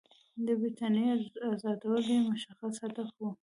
د برټانیې آزادول یې مشخص هدف وو.